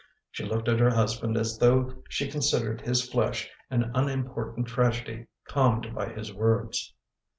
She looked at her husband as though she considered his flesh an unimportant tragedy calmed by his words.